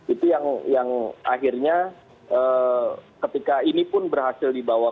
itu yang akhirnya ketika ini pun berhasil dibawa